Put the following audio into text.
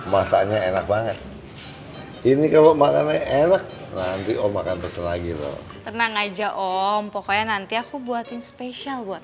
masaknya enak banget ini kalau makannya enak nanti om makan besar lagi loh tenang aja om pokoknya nanti aku buatin spesial buat